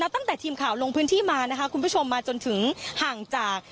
ตั้งแต่ทีมข่าวลงพื้นที่มานะคะคุณผู้ชมมาจนถึงห่างจาก